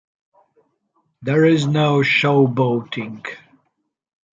There is no showboating.